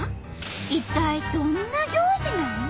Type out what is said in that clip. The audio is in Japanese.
一体どんな行事なん？